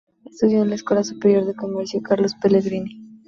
Estudió en la Escuela Superior de Comercio Carlos Pellegrini.